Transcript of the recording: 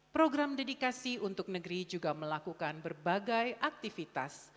program dedikasi untuk negeri juga melakukan berbagai aktivitas